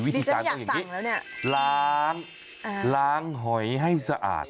วิธีการต้องอย่างนี้ล้างล้างหอยให้สะอาด